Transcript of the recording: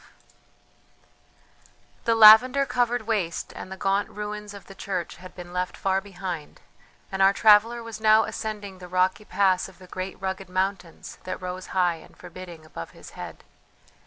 XII The lavender covered waste and the gaunt ruins of the church had been left far behind, and our traveller was now ascending the rocky pass of the great rugged mountains that rose high and forbidding above his head.